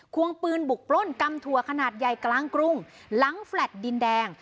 วงปืนบุกปล้นกำถั่วขนาดใหญ่กลางกรุงหลังแฟลต์ดินแดง